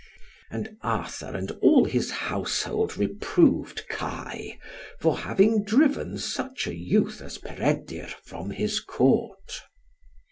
And Arthur and all his household reproved Kai, for having driven such a youth as Peredur from his Court.